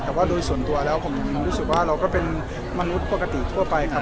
แต่ว่าโดยส่วนตัวแล้วผมรู้สึกว่าเราก็เป็นมนุษย์ปกติทั่วไปครับ